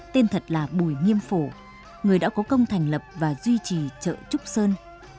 tên thật là bùi nghiêm phổ người đã có công thành lập và duy trì chợ trúc sơn